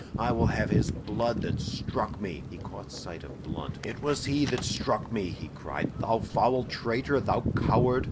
I will have his blood that struck me!" He caught sight of Blunt. "It was he that struck me!" he cried. "Thou foul traitor! thou coward!"